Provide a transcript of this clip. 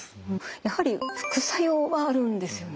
やはり副作用はあるんですよね？